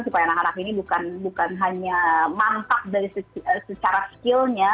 supaya anak anak ini bukan hanya mantap dari secara skillnya